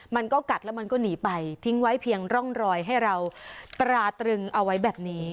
มันก็กัดแล้วมันก็หนีไปทิ้งไว้เพียงร่องรอยให้เราตราตรึงเอาไว้แบบนี้